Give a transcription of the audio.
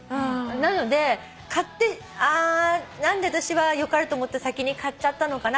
なので買ってあ何で私はよかれと思って先に買っちゃったのかな。